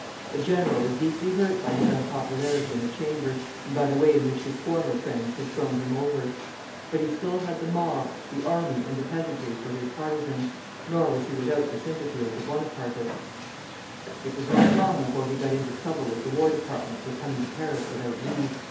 The general was deeply hurt by his unpopularity in the Chamber, and by the way in which his former friends had thrown him over; but he still had the mob, the army, and the peasantry for his partisans, nor was he without the sympathy of the Bonapartists. It was not long before he got into trouble with the War Department for coming to Paris without leave.